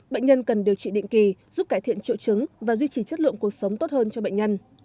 bệnh nhân cần điều trị định kỳ giúp cải thiện triệu chứng và duy trì chất lượng cuộc sống tốt hơn cho bệnh nhân